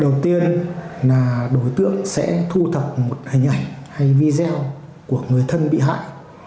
đầu tiên là đối tượng sẽ thu thập một hình ảnh hay video của người thân bị hại